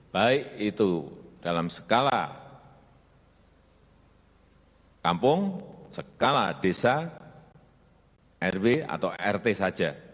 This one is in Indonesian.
baik itu dalam skala kampung skala desa rw atau rt saja